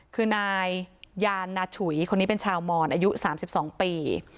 คือนายยานนาฉุยคนนี้เป็นชาวมอนอายุ๓๒ปี